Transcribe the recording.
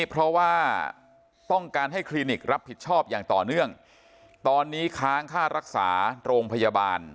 เพราะว่าต้องการให้คลินิกรับผิดชอบอย่างต่อเนื่องตอนนี้ค้างค่ารักษาโรงพยาบาล